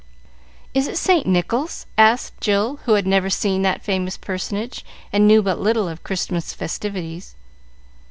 "Is it St. Nicholas?" asked Jill, who had never seen that famous personage, and knew but little of Christmas festivities.